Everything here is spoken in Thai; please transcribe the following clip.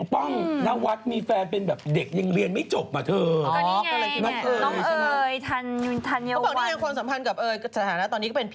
ป้องนวัดมีแฟนเป็นแบบเด็กยังเรียนไม่จบอ่ะเธอ